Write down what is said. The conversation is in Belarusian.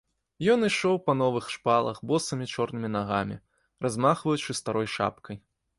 Ён ішоў па новых шпалах босымі чорнымі нагамі, размахваючы старой шапкай.